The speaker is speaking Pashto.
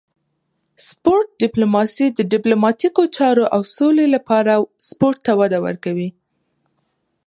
سپورت ډیپلوماسي د ډیپلوماتیکو چارو او سولې لپاره سپورت ته وده ورکوي